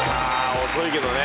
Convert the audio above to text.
遅いけどね。